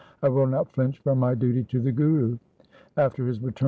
I will not flinch from my duty to the Guru.'